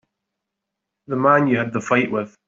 The man you had the fight with.